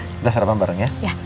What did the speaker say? kita sarapan bareng ya